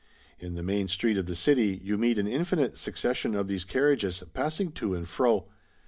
In the main street of the city you meet an infinite succession of these carriages passing to and fro.